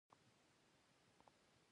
خبرې چې بې ادبه وي، ارزښت نلري